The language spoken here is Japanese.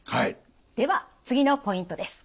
では次のポイントです。